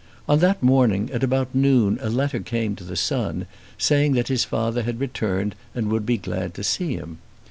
On that morning at about noon a letter came to the son saying that his father had returned and would be glad to see him.